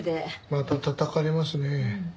またたたかれますね。